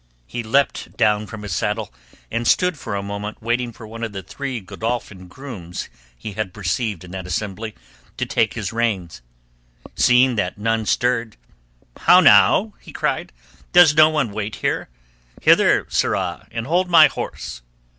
He leapt down from his saddle, and stood a moment waiting for one of the three Godolphin grooms he had perceived in that assembly to take his reins. Seeing that none stirred— "How now?" he cried. "Does no one wait here? Hither, sirrah, and hold my horse."